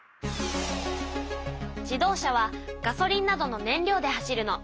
自動車はガソリンなどのねん料で走るの。